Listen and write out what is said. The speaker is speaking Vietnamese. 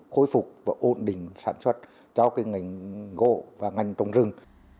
khôi phục và ổn định sản xuất cho ngành gỗ và ngành trồng rừng